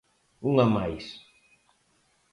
Unha máis!